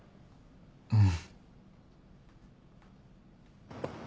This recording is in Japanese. うん。